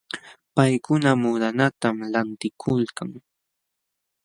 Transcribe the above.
Paykuna muudanatam lantikulkan.